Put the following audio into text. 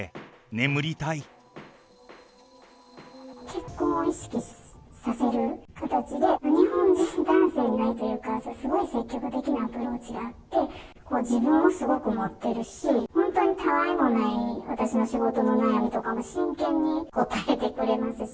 結婚を意識させる形で、日本人男性にないというか、すごい積極的なアプローチがあって、自分をすごく持ってるし、本当にたわいもない私の仕事の悩みとかも真剣に答えてくれますし。